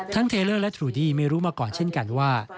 เทเลอร์และทรูดี้ไม่รู้มาก่อนเช่นกันว่า